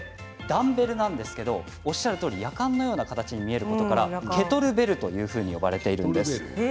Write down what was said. ダンベルなんですがおっしゃるとおりやかんのような形に見えることからケトルベルと呼ばれているんです。